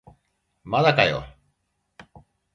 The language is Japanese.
まだかよ